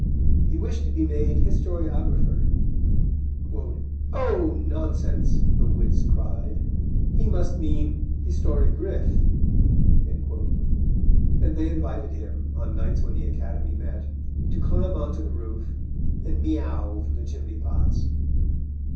He wished to be made historiographer; "Oh, nonsense," the wits cried, "he must mean historiogriffe" and they invited him, on nights when the Academy met, to climb on to the roof and miau from the chimneypots.